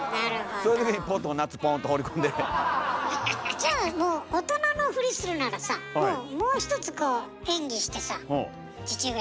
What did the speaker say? じゃあもう大人のふりするならさもう一つ演技してさ「父上。